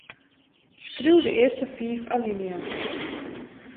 Skriuw de earste fiif alinea's.